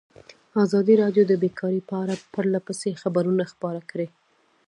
ازادي راډیو د بیکاري په اړه پرله پسې خبرونه خپاره کړي.